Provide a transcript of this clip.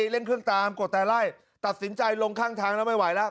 เร่งเครื่องตามกดแต่ไล่ตัดสินใจลงข้างทางแล้วไม่ไหวแล้ว